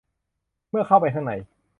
เมื่อเข้าไปข้างใน